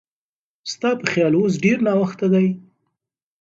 ستا په خیال اوس ډېر ناوخته دی؟